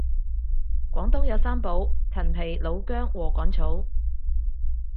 廣東有三寶陳皮老薑禾桿草